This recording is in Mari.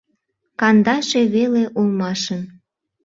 Кандаше веле улмашын